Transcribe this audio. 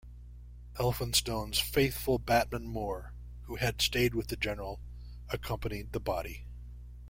Elphinstone's "faithful" batman Moore who had stayed with the General accompanied the body.